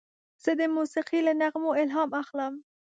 زه د موسیقۍ له نغمو الهام اخلم.